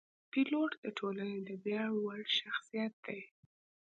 پیلوټ د ټولنې د ویاړ وړ شخصیت دی.